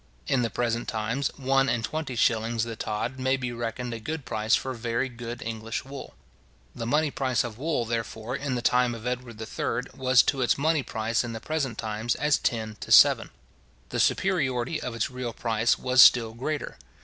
In the present times, one and twenty shillings the tod may be reckoned a good price for very good English wool. The money price of wool, therefore, in the time of Edward III. was to its money price in the present times as ten to seven. The superiority of its real price was still greater.